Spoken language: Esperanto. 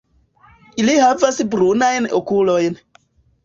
Ili havas brunajn okulojn.